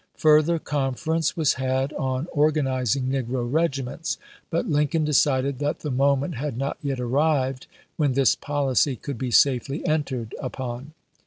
Further conference was had on organizing negro regiments, but Lincoln decided that the moment had not yet arrived when this policy could be safely entered upon.